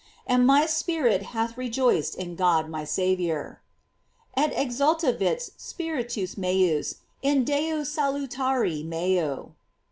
And my spirit hath rejoiced in God my Saviour: "Et exultavit spiritus meus in Deo salutari meo."